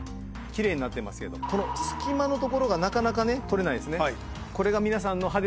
きれいになってますけどこの隙間のところがなかなかね取れないですね。